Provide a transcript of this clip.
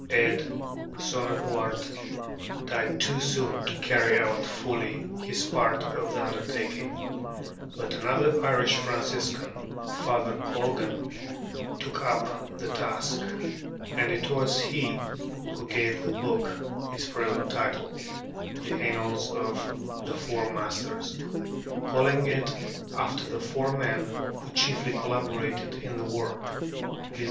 Ædh son of Ward died too soon to carry out fully his part of the undertaking: but another Irish Franciscan, Father Colgan, took up the task; and it was he who gave the book its present title, 'The Annals of the Four Masters,' calling it after the four men who chiefly collaborated in the work, viz.